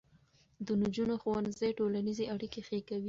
د نجونو ښوونځي ټولنیزې اړیکې ښې کوي.